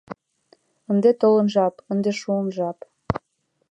Ынде толын жап, ынде шуын жап!